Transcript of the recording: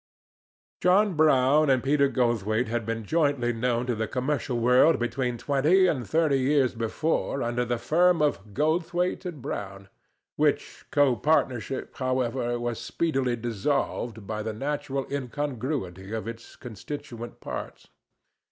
John Brown and Peter Goldthwaite had been jointly known to the commercial world between twenty and thirty years before under the firm of Goldthwaite & Brown; which copartnership, however, was speedily dissolved by the natural incongruity of its constituent parts.